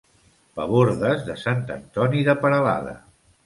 Pabordes de Sant Antoni de Peralada.